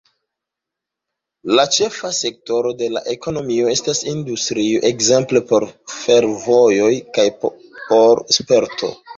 La ĉefa sektoro de la ekonomio estas industrio, ekzemple por fervojoj kaj por sporto.